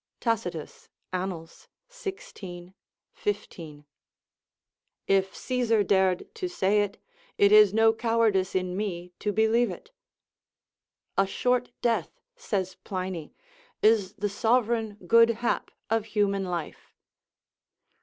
[Tacitus, Annals, xvi. 15] If Caesar dared to say it, it is no cowardice in me to believe it." A short death," says Pliny, "is the sovereign good hap of human life.